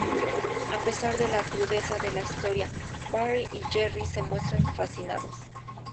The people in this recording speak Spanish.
A pesar de la crudeza de la historia, Barry y Jerry se muestran fascinados.